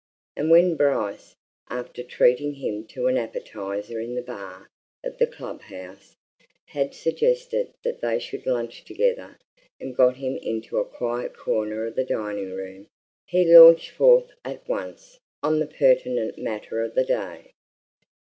And when Bryce, after treating him to an appetizer in the bar of the club house, had suggested that they should lunch together and got him into a quiet corner of the dining room, he launched forth at once on the pertinent matter of the day.